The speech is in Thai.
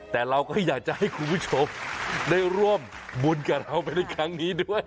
แต่เราก็อยากจะให้คุณผู้ชมได้ร่วมบุญกับเราไปในครั้งนี้ด้วย